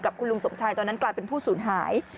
คุณลุงสมชายตอนนั้นกลายเป็นผู้สูญหาย